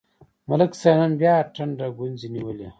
ملک صاحب نن بیا ټنډه ګونځې نیولې.